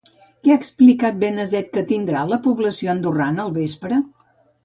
Què ha explicat Benazet que tindrà la població andorrana al vespre?